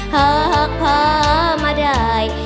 หากพามาได้